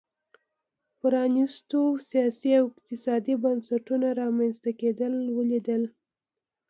پرانیستو سیاسي او اقتصادي بنسټونو رامنځته کېدل ولیدل.